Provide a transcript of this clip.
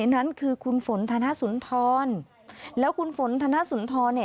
นั้นคือคุณฝนธนสุนทรแล้วคุณฝนธนสุนทรเนี่ย